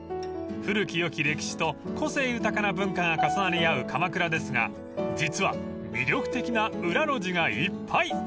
［古き良き歴史と個性豊かな文化が重なり合う鎌倉ですが実は魅力的な裏路地がいっぱい］